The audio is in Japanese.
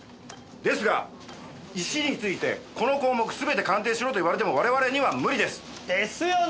ですが石についてこの項目全て鑑定しろと言われても我々には無理です！ですよね。